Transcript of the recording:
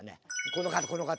この方この方。